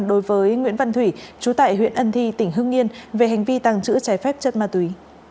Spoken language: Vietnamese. đối với nguyễn văn thủy chú tại huyện ấn thi tỉnh hương nghiên về hành vi tàng trữ trái phép chất ma túy